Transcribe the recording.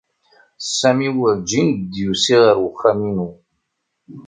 Sami werǧin d-yusi ɣer uxxam-inu.